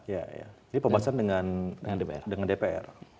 jadi pembahasan dengan dpr